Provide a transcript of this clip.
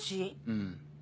うん。